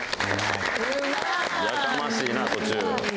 やかましいな途中。